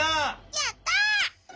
やった！